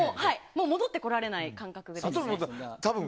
もう戻ってこられない感覚ですね。